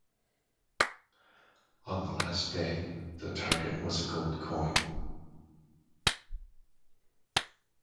On the last day, the target was a gold coin.